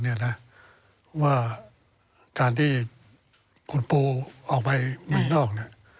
ไม่รู้ว่าการที่คุณปูออกไปบนนอก